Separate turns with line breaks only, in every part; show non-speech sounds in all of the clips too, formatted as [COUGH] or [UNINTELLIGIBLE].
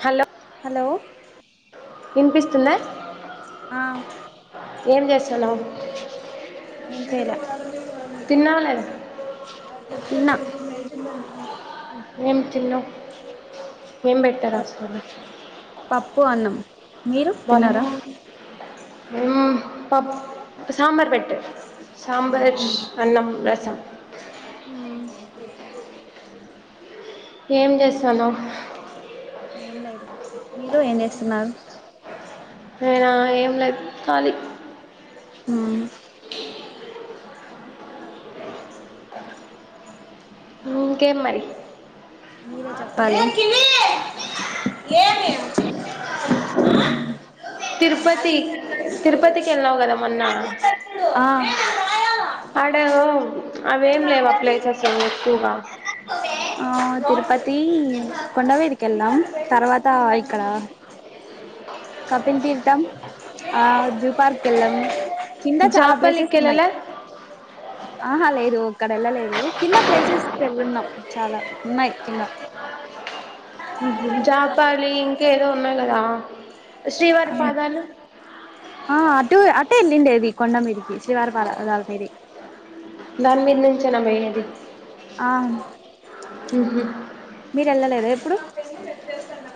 Hello
hello
వినిపిస్తుందా
ఆ
ఏం చేస్తున్నావు
ఏం చేయలే
తిన్నావా లేదా
తిన్న
మేమ్ తిన్నమ్ ఏం పెట్టాలా హాస్పిటల్ [INAUDIBLE]
పప్పు అన్నాం. మీరు తిన్నారా
హు పప్ సాబార్ పెట్టు, సాబార్ అన్నం, రసం
మ్మ్
ఏం చేస్తానావు
ఏం లేదు మీరు ఏం చేస్తున్నారు.
నేనా ఏం లేదు కాలి
హ్మ్
ఇంకేం మరి
మీరే చెప్పాలి.
తిరుపతి తిరుపతికి వెళ్ళినావు కదా మొన్న
ఆ
ఒ ఏం లేవా ప్లేసెస్ ఎక్కువగా
ఆ తిరుపతి కొండ మీదికి వేళ్ళామ్ తర్వాత ఇక్కడ కపిల్ తీర్థం ఆ జూ పార్క్ ఎళ్ళామ్
జాపలికి ఏళ్ల లే
ఆహా లేదు అక్కడ వెళ్ళలేదు కింద ప్లేసెస్ వెళ్ళున్నాం చాలా ఉన్నాయి కింద
జాపాలి ఇంకా ఏదో ఉన్నాయి కదా శ్రీవారి పాదాలు
ఆ అటు అటు అట్టే ఎల్లుండేది కొండమీదికి శ్రీవారి పాదాల పాదాలమి
దాని మీద నుంచేనా పోయేది
అవును
హు
మీరు వెళ్లలేదా ఎప్పుడు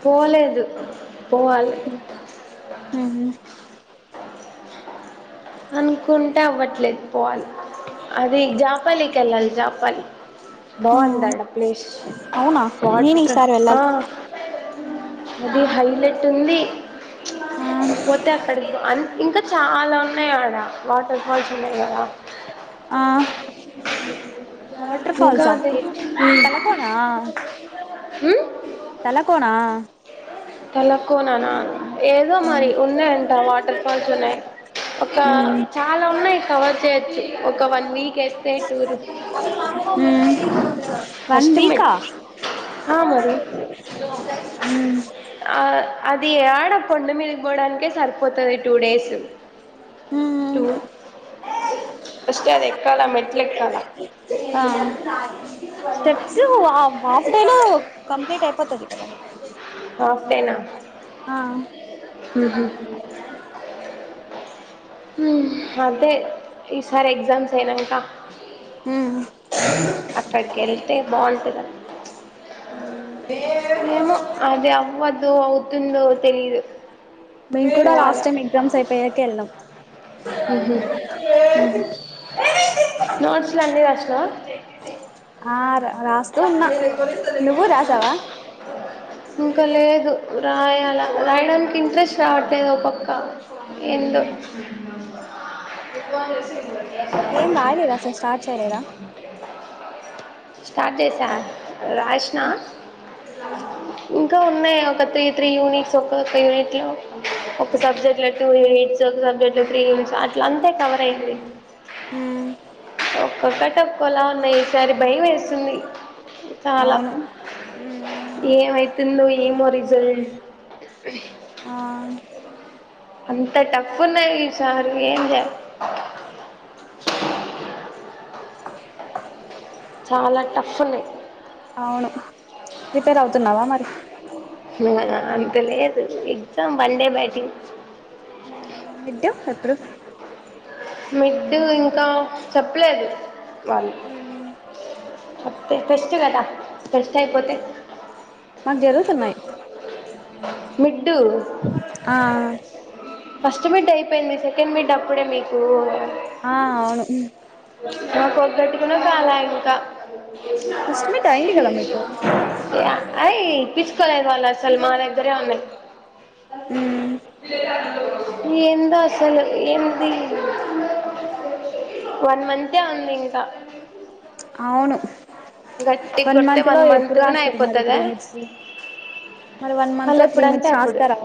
పోలేదు పోవాలి
హు
అనుకుంట అవ్వట్లేదు పోవాలి అది జాపాలికెలాలి జపాలి బాందాడా ప్లేస్
అవునా నేను
వాటర్
ఈసారి
ఆ
వెళ్ళాలి
అది హైలైట్ అతుంది
ఆ
పోతే అక్కడి అ ఇంకా చాలా ఉన్నాయి ఆడ వాటర్ ఫాల్స్ ఉన్నాయి కదా
ఆ
[UNINTELLIGIBLE]
వాటర్
ఇంకా
ఫాల్సా
అది
ఏ
ఉమ్,
తలకోనా
ఉమ్,
తలకోనా [INAUDIBLE]
తలకోననా ఏదో
ఆ
మరి ఉన్నాయంట వాటర్ ఫాల్స్ ఉన్నాయి ఒక
మ్
చాలా ఉన్నాయి కవర్ చేయొచ్చు ఒక వన్ వీక్ వేస్తే టూరు
ఊమ్ వన్
ఫస్ట్ మెట్
వీకా ఆ ఊమ్
ఆ అది ఆడ కొండ మీదిపోవడానికే సరిపోతుంది టూ డేస్ ఫష్టే అది ఎక్కాలా మెట్లు ఎక్కాలా
ఆ వాసను కంప్లీట్ అయిపోతది కదా
హాఫ్ డేనా
ఆ
ఉహు అదే ఈసారి ఎక్సామ్స్ ఏనై
మ్మ్
అక్కడ కెళ్తే బాంటది
హ
ఏమో అది అవ్వదు అవుతుందో తెలీదు
మేము కూడా లాస్ట్
పోవాలా
టైం ఎగ్జామ్స్ అయిపోయాక వెళ్ళాం
నోట్స్లు అన్నీ రాసనావా
ఆ రాస్తూ ఉన్నా నువ్వు రాసావా
ఇంకా లేదు రాయాల రాయడానికి ఇంట్రెస్ట్ రావట్లేదు ఒక పక్క ఏందొ
ఏం రయలేదా అసలు స్టార్ట్ చేయలేదా
స్టార్ట్ చేసా రాష్నా ఇంకా ఉన్నాయి ఒక త్రీ త్రీ యూనిట్స్ ఒక్కొక్క యూనిట్లో ఒక సబ్జెక్ట్లో టూ యూనిట్స్ ఒక సబ్జెక్ట్లో త్రీ యూనిట్స్ అట్ల అంతే కవర్ అయ్యంది
మ్మ్
ఒక్క క తక్కువలా ఉన్నాయి ఈసారి భయం వేస్తుంది చాలా
అవును మ్మ్
ఏమై ఏమో రిజల్
ఆ
అంత టఫ్ ఉన్నాయి వి సారు ఏం చే చాలా టఫ్ ఉన్నాయి
అవును ప్రిపేర్ అవుతున్నావా మరి
అంత లేదు exam one day batting
mid term ఎప్పుడు
మిడ్డు ఇంకా చెప్పలేదు తెస్ట్ కదా కస్ అయిపోతే
మాకు జరుగుతున్నాయి
మీ
ఆ
ఫస్ట్ మిడ్ అయిపోయింది సెకండ్ మిడ్ అప్పుడే మీకు ఓహ్
ఆ అవును
నాకొక్కటికిన కాలా ఇంకా
ఫస్ట్ మిడ్ అయింది కదా మీకు
అయి పిచ్కలే లా సలమాన్ ఇద్దర అమె
ఉమ్
వేల్ అయితే అందులో ఏందో అసలు ఎమిది వన్ మంతే ఉంది ఇంకా
అవును
గట్టి
వన్
కొడితే
మంత్ లో ఎప్పుడు
కూడా
రాస్తారు మరి
అయిపోతదా
త్రీ మిట్స్ మరి వన్ మంత్
వాళ్ళు
లో త్రీ
ఎప్పుడంటే
మిట్స్ రాస్తారా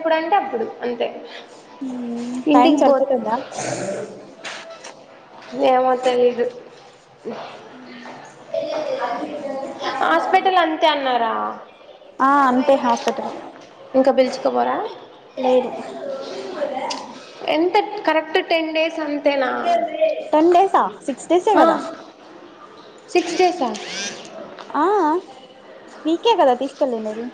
ఎప్పుడుంటే అప్పుడు అంతే
టైమ్
ఇంటికి పో
సరిపోతుందా
ఏమో తెలీదు ఇ హాస్పిటల్ అంతే అన్నారా
ఆ అంతే హాస్పిటల్
ఇంకా పిలుచుకోపోరా
లేదు
ఎంత కరెక్ట్ టె డేస్ అంతేనా
టెన్ డేసా సిక్స్ డేసే
ఆ
కదా
సిక్స్ డేస్ా
ఆ నీకే కదా తీసుకెళ్ళి నది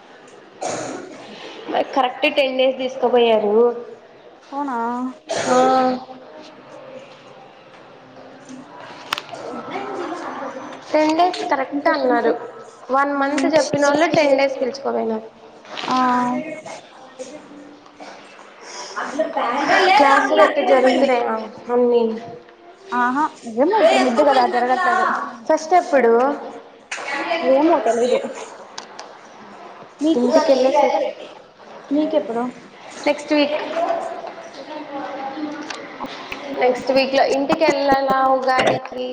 మరి కరెక్ట్ టెన్ డేస్ తీసుకుపోయారు
అవునా
ఆ టెన్ డేస్ కరెక్ట్
ఇంకొక
అన్నారు
నిమిషం
వన్ మంత్ చెప్పిన వాళ్ళు టెన్ డేస్ పిలుచుకోపోయిన
అల
క్లాస్ లు ఎట్లా జరుగుతున్నాయ అమి
ఆహా ఇప్పుడు మిడ్ కదా జరగట్లేదు
ఫస్ట్ ఎప్పుడు
అది ఏమో తెలీదు మీకు
ఇంటికి వెళ్ళేసి వచ్చి
మీకె అప్పుడు
నెక్స్ట్ వీక్ అ వీక్లో ఇంటికి వెళ్ళాల ఉగాదికి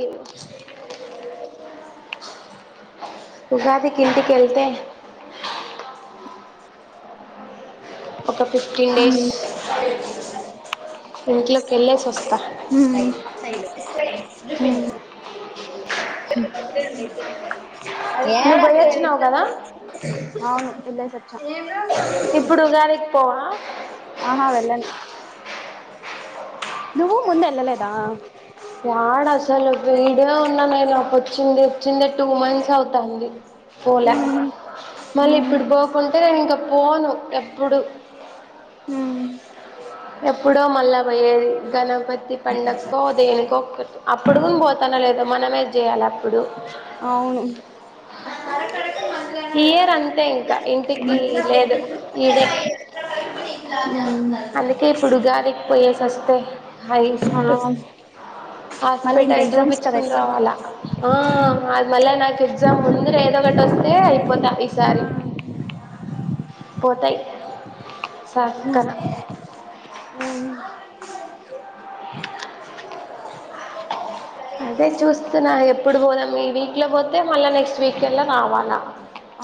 ఉగాదికి ఇంటికెళ్తే ఒక ఫిఫ్టీన్ డేస్ ఇంట్లోకి వెళ్ళేసి వస్తా
ఉమ్ అ
నువ్వు పోయొచ్చినావు కదా
అవును వచ్చా
ఇప్పుడు ఉగాదకి పోవా
ఆహా వెళ్ళను నువ్వు ముందేళ్లలేదా
యాడ అసలు ఇడే ఉన్నా అప్పటి చి చి టూ మంత్స్ అవుతంది పోలే
ఉమ్
మళ్ళీ ఇప్పుడు పోకుంటే నేను ఇంకా పోను ఎప్పుడు
ఉమ్
ఎప్పుడో మళ్ళా పోయ్యేది గణపతి పండకో దేని అప్పుడు కూడాని పోతాన లేద మనమే చేయాలి అప్పుడు
అవును
ఇయర్ అంతే ఇంకా ఇంటికి లేదు ఈడే అందుకే ఇప్పుడు గాలి పోయేసొస్తే ఐస్క్
మళ్ళీ ఇంక
హాస్పిటల్
ఎగ్జామ్స్ కదా
చూపించుకుని
ఎట్లా
రావాలా ఆ
ఉమ్
అది మళ్ళా నాకు ఎగ్జామ్ ముందర ఏదో ఒకటి వస్తుంది అతే అయిపోతా ఈసారి పోతాయి సక్కన
ఆ
ఇప్పుడు పోదాం ఈ వీక్లో పోతే మళ్ళీ నెక్స్ట్ వీకల్ల రావాల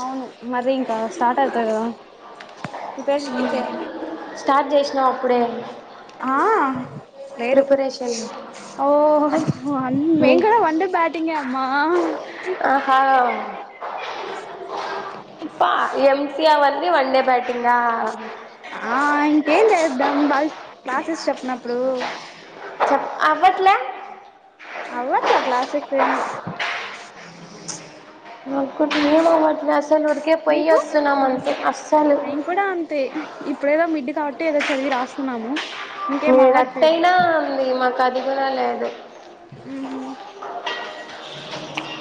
అవును మర ఇంకా స్టార్ట్ అవుతాయి కదా ప్రిపేరేషన్ ఎట్లా
స్టార్ట్ చేసినాం అప్పుడే
ఆ లేదు
ప్రిపరేషన్ మీ
వన్ డే బ్యాటింగే ఆ
ఆహా ఫహ్ ఏం సి ఏ అన్ని వన్ డే బ్యాటింగా
ఆ ఇంకేం ది చూద్దాం బాగ్ క్లాసెస్ చెప్పినప్పుడు
అవ్వట్లలా
అవ్వట్లా క్లాసెస్ ఏమి
అ కుమ అంటింది అస్సలు ఉఊరికే పోయి
మీకు
వస్తున్నామంటే అస్సలు
మేము కూడా అంతే ఇప్పుడేదో కాబట్టి ఏదో చదివి రాస్తున్నాము
మీ
ఇంకేం
ఎట్టా
అవ్వట్లేదు
అయినా ఉంది మాకు [INAUDIBLE]
అ